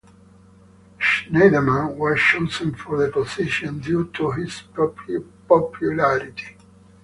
Scheidemann was chosen for the position due to his popularity.